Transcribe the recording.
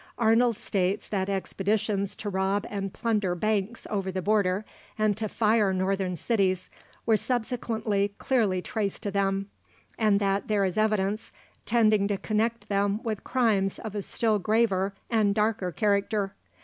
Arnold states that expeditions to rob and plunder banks over the border, and to fire Northern cities, were subsequently clearly traced to them; "and that there is evidence tending to connect them with crimes of a still graver and darker character."